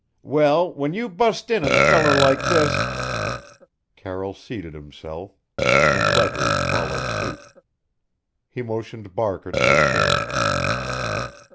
"Well, when you bust in on a feller like this " Carroll seated himself, and Leverage followed suit. He motioned Barker to a chair.